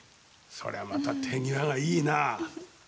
それはまた手際がいいな。